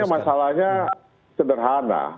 sebenarnya masalahnya sederhana